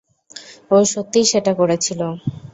ও সত্যিই সেটা করেছিল।